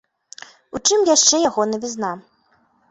У чым яшчэ яго навізна.